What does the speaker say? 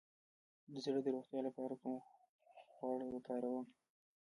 د زړه د روغتیا لپاره کوم غوړ وکاروم؟